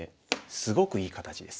すごくいい形です。